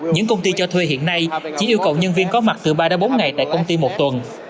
những công ty cho thuê hiện nay chỉ yêu cầu nhân viên có mặt từ ba bốn ngày tại công ty một tuần